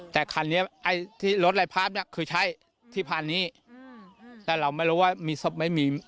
แต่คันนี้ไอ้ที่รถลายภาพน่ะคือใช่ที่พานนี้แต่เราไม่รู้ว่ามีศพไม่มี